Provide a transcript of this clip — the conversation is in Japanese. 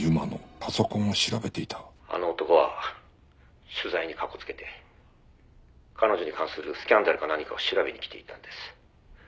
「あの男は取材にかこつけて彼女に関するスキャンダルか何かを調べに来ていたんです」